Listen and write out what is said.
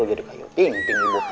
jadi kayak yuting ibob